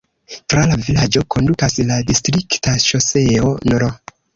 Tra la vilaĝo kondukas la distrikta ŝoseo nr.